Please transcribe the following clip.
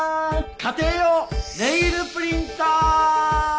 家庭用ネイルプリンター！